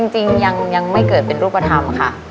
จริงยังไม่เกิดเป็นรูปธรรมค่ะ